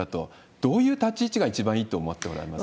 どういう立ち位置が一番いいと思っておられますか？